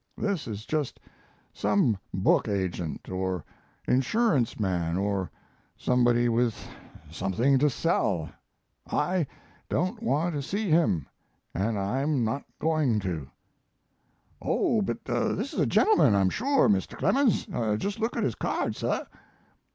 This is just some book agent, or insurance man, or somebody with something to sell. I don't want to see him, and I'm not going to." "Oh, but this is a gentleman, I'm sure, Mr. Clemens. Just look at his card, suh."